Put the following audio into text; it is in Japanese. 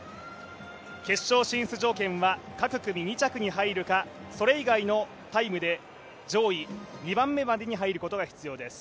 決勝進出条件は各組２着に入るかそれ以外のタイムで上位２番目までに入ることが必要です。